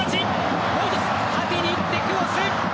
縦にいって、クロス。